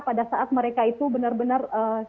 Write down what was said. pada saat mereka itu benar benar